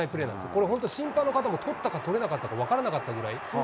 これ審判の方も、本当に捕れたか捕れなかったか分からなかったぐらい。